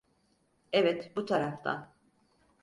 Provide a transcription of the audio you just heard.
Evet, bu taraftan.